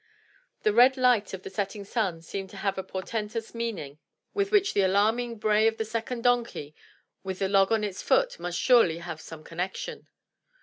The red light of the setting sun seemed to have a portentous meaning, 24S THE TREASURE CHEST with which the alarming bray of the second donkey with the log on its foot must surely have some connection.